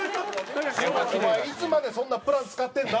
お前いつまでそんなプラン使ってんだ？